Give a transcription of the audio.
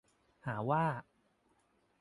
หาว่า